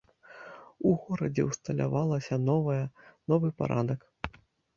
У горадзе ўсталявалася новае, новы парадак.